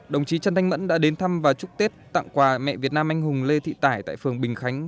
đồng chí trần thanh mẫn đã đến thăm và chúc tết tặng quà mẹ việt nam anh hùng lê thị tải tại phường bình khánh